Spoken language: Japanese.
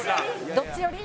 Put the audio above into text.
どっち寄り？」